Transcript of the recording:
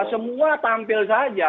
semua tampil saja